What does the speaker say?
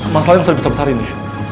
masalahnya bisa dibesarkan ya